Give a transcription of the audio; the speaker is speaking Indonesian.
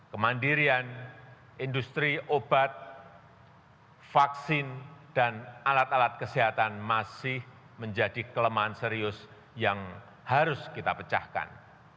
kemandirian industri obat vaksin dan alat alat kesehatan masih menjadi kelemahan serius yang harus kita pecahkan